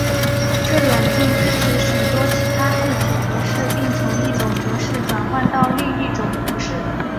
这软件支持许多其他字体格式并从一种格式转换到另一种格式。